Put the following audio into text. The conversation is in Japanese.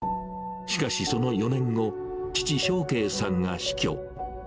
しかし、その４年後、父、章圭さんが死去。